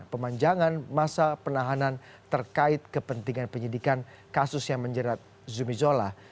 pemanjangan masa penahanan terkait kepentingan penyidikan kasus yang menjerat zumi zola